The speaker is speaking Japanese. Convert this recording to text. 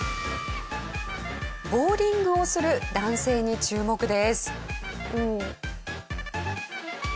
ボウリングをする男性に注目です。